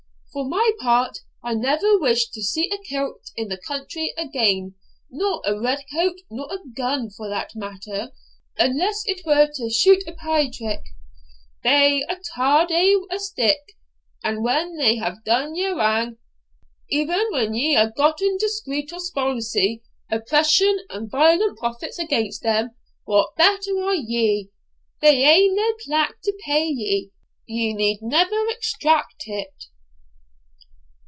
For my part, I never wish to see a kilt in the country again, nor a red coat, nor a gun, for that matter, unless it were to shoot a paitrick; they're a' tarr'd wi' ae stick. And when they have done ye wrang, even when ye hae gotten decreet of spuilzie, oppression, and violent profits against them, what better are ye? They hae na a plack to pay ye; ye need never extract it.'